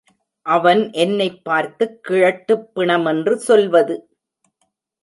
அவன் என்னைப் பார்த்துக் கிழட்டுப் பிணமென்று சொல்வது?